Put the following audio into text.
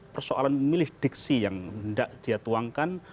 persoalan memilih diksi yang hendak dia tuangkan